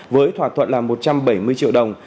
với thỏa thuận là một trăm bảy mươi triệu đồng